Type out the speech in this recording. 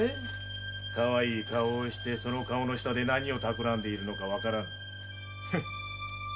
かわいい顔をしてその顔の下で何を企んでいるのかわからぬ。